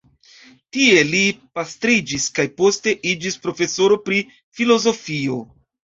Tie li pastriĝis kaj poste iĝis profesoro pri filozofio.